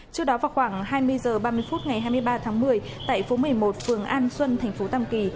trước đó vào khoảng hai mươi h ba mươi phút ngày hai mươi ba tháng một mươi tại phố một mươi một phường an xuân thành phố tam kỳ